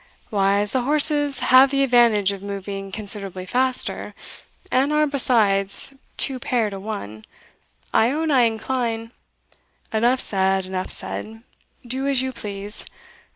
"Why, as the horse's have the advantage of moving considerably faster, and are, besides, two pair to one, I own I incline" "Enough said enough said do as you please.